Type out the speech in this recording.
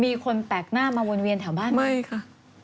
มีคนแปลกหน้ามาวนเวียนแถวบ้านไหมไม่ค่ะ